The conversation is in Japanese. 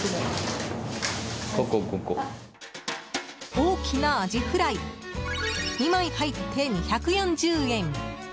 大きなアジフライ２枚入って２４０円。